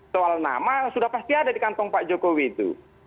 soal nama sudah pasti ada di kantong pak jokowi itu